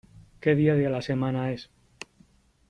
¿Qué día de la semana es?